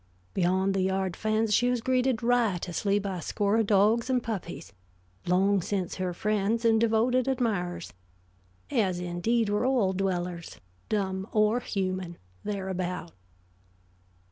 Beyond the yard fence she was greeted riotously by a score of dogs and puppies, long since her friends and devoted admirers; as, indeed, were all dwellers, dumb or human, thereabout.